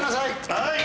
はい。